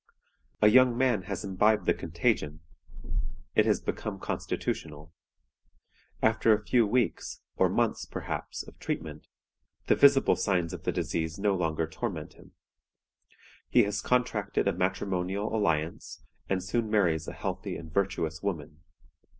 "A young man has imbibed the contagion; it has become constitutional. After a few weeks, or months perhaps, of treatment, the visible signs of the disease no longer torment him. He has contracted a matrimonial alliance, and soon marries a healthy and virtuous woman.